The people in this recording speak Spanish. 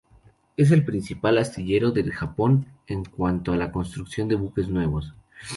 Es el principal astillero de Japón en cuanto a la construcción de buques nuevos.